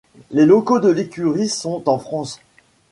Les locaux de l'écurie sont en France.